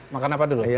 makan apa dulu